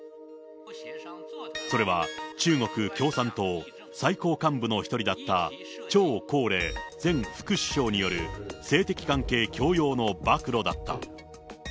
それは中国共産党最高幹部の一人だった張高麗前副首相による性的関係強要の暴露だった。